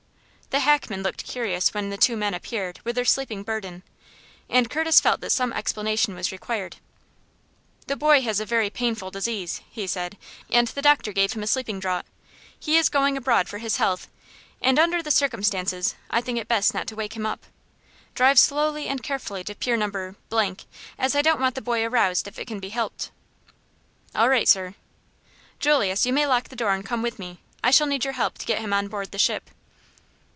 The hackman looked curious when the two men appeared with their sleeping burden, and Curtis felt that some explanation was required. "The boy has a very painful disease," he said, "and the doctor gave him a sleeping draught. He is going abroad for his health, and, under the circumstances, I think it best not to wake him up. Drive slowly and carefully to Pier No. , as I don't want the boy aroused if it can be helped." "All right, sir." "Julius, you may lock the door and come with me. I shall need your help to get him on board the ship."